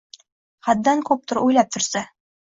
Haddan ko‘pdir o‘ylab tursa